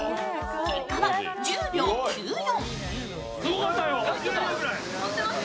結果は１０秒９４。